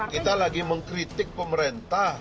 kita lagi mengkritik pemerintah